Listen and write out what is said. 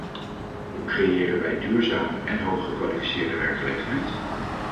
Hoe creëren wij duurzame en hooggekwalificeerde werkgelegenheid?